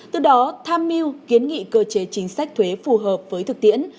từ đó tham mưu kiến nghị cơ chế chính sách thuế phù hợp với thực tiễn